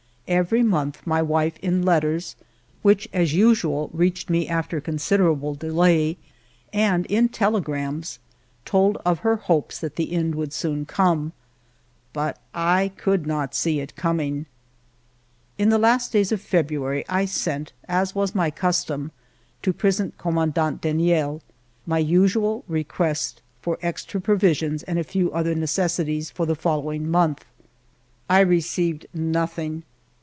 Every month my wife, in letters, which, as usual, reached me after con siderable delay, and in telegrams, told of her hopes that the end would soon come. But I could not see it coming. In the last days of February, I sent, as was my custom, to Prison Commandant Deniel, my ALFRED DREYFUS 289 usual request for extra provisions and a few other necessities for the following month. I received nothing.